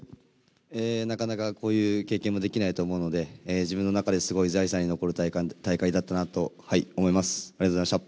なかなかこういう経験もできないと思うので、自分の中ですごい財産に残る大会だったなと思います。